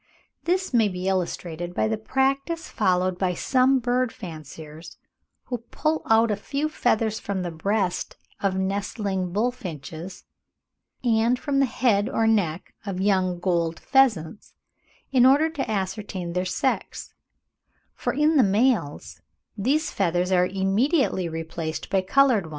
This may be illustrated by the practice followed by some bird fanciers, who pull out a few feathers from the breast of nestling bullfinches, and from the head or neck of young gold pheasants, in order to ascertain their sex; for in the males, these feathers are immediately replaced by coloured ones.